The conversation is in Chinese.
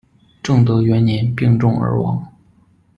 正德元年病重而亡。